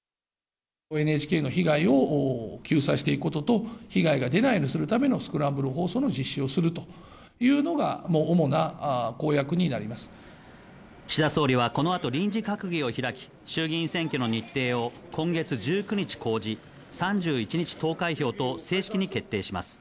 ＮＨＫの被害を救済していくことと、被害が出ないようにするためのスクランブル放送の実施をするとい岸田総理はこのあと臨時閣議を開き、衆議院選挙の日程を今月１９日公示、３１日投開票と、正式に決定します。